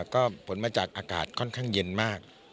ก็ผลมาจากอากาศค่อนข้างเย็นมาก